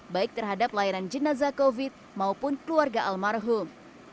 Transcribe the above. baik terhadap layanan jenazah covid sembilan belas maupun keluarga almarhum